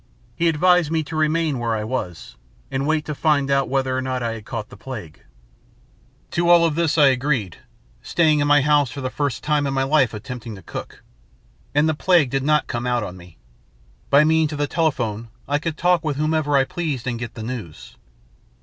He advised me to remain where I was, and wait to find out whether or not I had caught the plague. [Illustration: The telephone bell rang 088] "To all of this I agreed, staying in my house and for the first time in my life attempting to cook. And the plague did not come out on me. By means of the telephone I could talk with whomsoever I pleased and get the news.